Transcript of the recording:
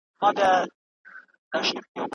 د لمر ختل او پرېوتل یو طبیعي عمل دی.